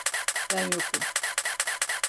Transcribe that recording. Ben yokum.